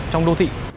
trong đô thị